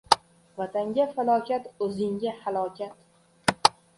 Vatanga falokat — o'zingga halokat.